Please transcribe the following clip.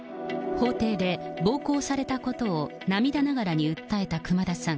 法廷で暴行されたことを涙ながらに訴えた熊田さん。